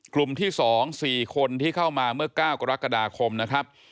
กลุ่มที่๒๔คนที่เข้ามาเมื่อ๙กรกฎาคมนะครับ